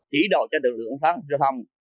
chỉ đổi cho đường lượng giao thông